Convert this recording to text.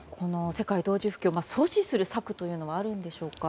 世界同時不況阻止する策というのはあるんでしょうか？